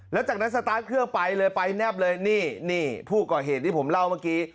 แล้วจากนั้นสตาร์ทเครื่องไปเลยไปแนบเลยนี่นี่ผู้ก่อเหตุที่ผมเล่าเมื่อกี้